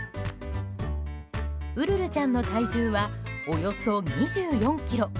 ウルルちゃんの体重はおよそ２４ｋｇ。